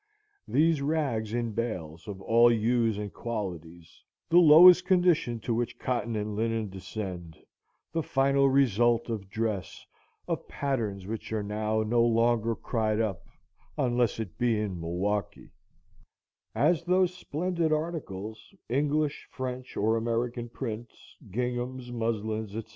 These rags in bales, of all hues and qualities, the lowest condition to which cotton and linen descend, the final result of dress,—of patterns which are now no longer cried up, unless it be in Milwaukie, as those splendid articles, English, French, or American prints, ginghams, muslins, &c.